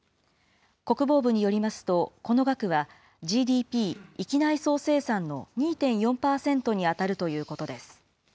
国防部によりますと、この額は、ＧＤＰ・域内総生産の２．４％に当たるということです。